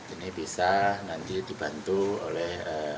ini bisa nanti dibantu oleh